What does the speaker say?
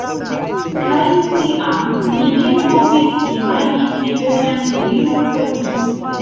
Kaj tiam, mi ne povis imagi pli bonan virinon por mi.